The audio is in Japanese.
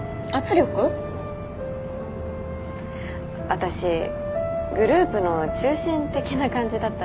私グループの中心的な感じだったんですよ。